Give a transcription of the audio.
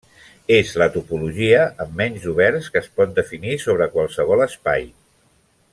És la topologia amb menys oberts que es pot definir sobre qualsevol espai.